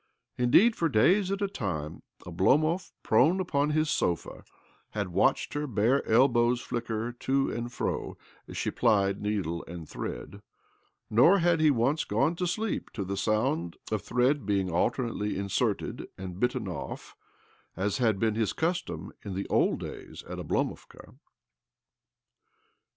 Indeed, for days at a time Oblomov, prone OBLOMOV 275 upon his sofa, had watched her, bare elbows flicker to and fro as she phed needle and thread ; nor had he once gone to sleep to the sound of thread being alternately inserted arid bitten off, as had been his custom in the old days at Oblomovka.